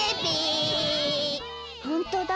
ほんとだ